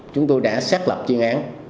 chúng tôi đã xác lập chuyên án